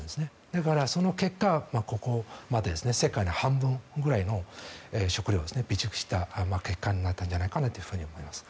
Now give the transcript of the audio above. だからその結果、ここまで世界の半分ぐらいの食料を備蓄した結果になったんじゃないかと思います。